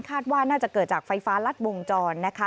คาดว่าน่าจะเกิดจากไฟฟ้ารัดบวงจร